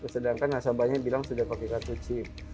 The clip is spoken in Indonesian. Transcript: sedangkan nasabahnya bilang sudah pakai kartu chip